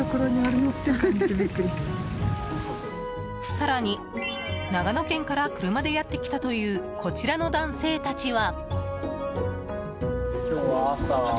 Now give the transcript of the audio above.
更に、長野県から車でやってきたというこちらの男性たちは。